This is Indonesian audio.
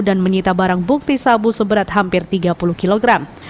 dan menyita barang bukti sabu seberat hampir tiga puluh kilogram